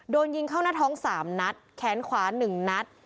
โดนยิงเข้าหน้าท้อง๓นัดแขนขวา๑นัด